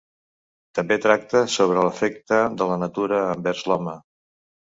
També tracta sobre l'afecte de la natura envers l'home.